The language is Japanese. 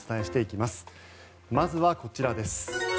まずはこちらです。